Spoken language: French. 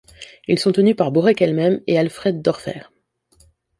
Ils sont tenus par Borek elle-même et Alfred Dorfer.